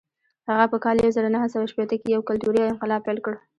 هغه په کال یو زر نهه سوه شپېته کې یو کلتوري انقلاب پیل کړ.